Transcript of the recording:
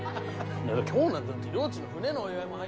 今日なんてりょーちんの船のお祝いも。